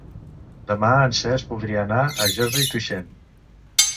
Demà en Cesc voldria anar a Josa i Tuixén.